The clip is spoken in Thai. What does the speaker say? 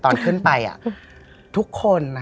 ตอนขึ้นไปทุกคน